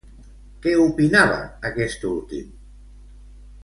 Què opinava aquest últim?